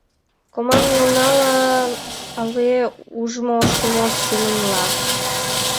Команмелнала але ужмо шумо семынла?